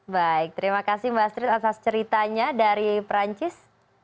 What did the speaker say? baik terima kasih mbak astrid atas ceritanya dari perancis